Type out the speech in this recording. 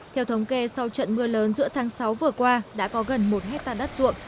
theo thống kê sau trận mưa lớn giữa tháng sáu vừa qua đã có gần một hectare đất ruộng